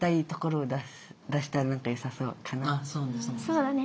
そうだね。